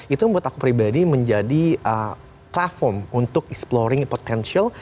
itu membuat aku pribadi menjadi platform untuk exploring potential